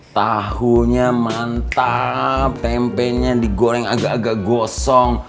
tahunya mantap tempenya digoreng agak agak gosong